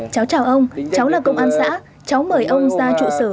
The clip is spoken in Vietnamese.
cháu chào ông cháu là công an xã cháu mời ông ra trụ sở